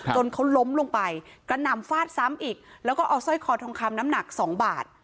จนเขาล้มลงไปกระหน่ำฟาดซ้ำอีกแล้วก็เอาสร้อยคอทองคำน้ำหนักสองบาท